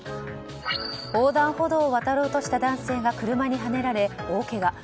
横断歩道を渡ろうとした男性が車にはねられ、大けが。